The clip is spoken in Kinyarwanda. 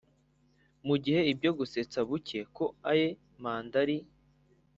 mugihe ibyo gusetsa buke ko aye manda ari